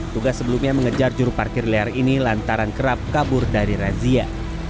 tugas sebelumnya mengejar juru parkir liar ini lantaran kerap kabur dari razia